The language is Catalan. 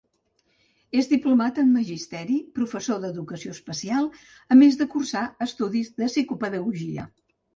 És diplomat en magisteri, professor d'educació especial, a més de cursar estudis de psicopedagogia.